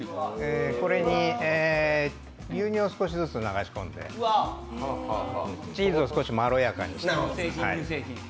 これに牛乳を少しずつ流し込んでチーズを少しまろやかにして。